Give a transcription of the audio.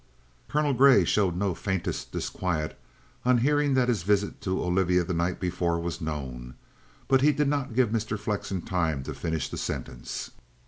Colonel Grey showed no faintest disquiet on hearing that his visit to Olivia the night before was known. But he did not give Mr. Flexen time to finish the sentence.